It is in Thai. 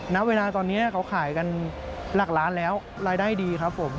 ณเวลาตอนนี้เขาขายกันหลักล้านแล้วรายได้ดีครับผม